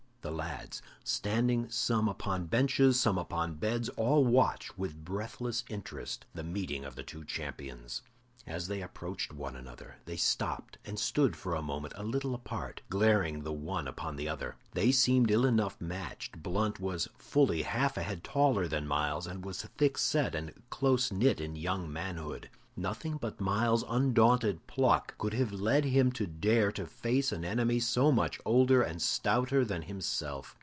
The lads, standing some upon benches, some upon beds, all watched with breathless interest the meeting of the two champions. As they approached one another they stopped and stood for a moment a little apart, glaring the one upon the other. They seemed ill enough matched; Blunt was fully half a head taller than Myles, and was thick set and close knit in young manhood. Nothing but Myles's undaunted pluck could have led him to dare to face an enemy so much older and stouter than himself.